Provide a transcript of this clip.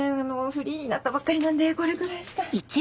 フリーになったばっかりなんでこれくらいしか。